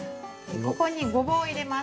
ここに、ごぼうを入れます。